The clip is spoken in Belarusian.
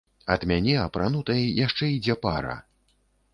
Ад мяне, апранутай, яшчэ ідзе пара.